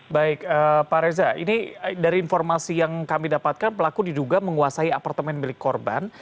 baik pak reza ini dari informasi yang kami dapatkan pelaku diduga menguasai apartemen milik korban